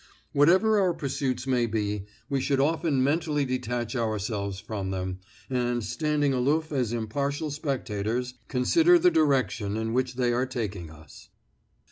Whatever our pursuits may be, we should often mentally detach ourselves from them, and, standing aloof as impartial spectators, consider the direction in which they are taking us.